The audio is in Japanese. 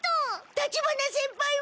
立花先輩は。